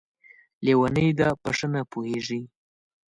لېونۍ ده ، په ښه نه پوهېږي!